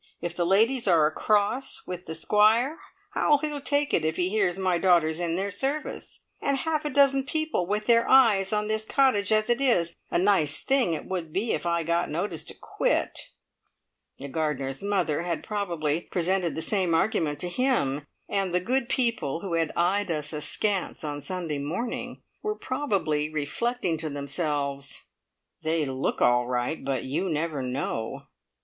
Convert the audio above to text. If the ladies are across with the Squire, how'll he take it if he hears my daughter's in their service? And half a dozen people with their eyes on this cottage as it is. A nice thing it would be for me if I got notice to quit!" The gardener's mother had probably presented the same argument to him, and the good people who had eyed us askance on Sunday morning were probably reflecting to themselves, "They look all right, but you never know!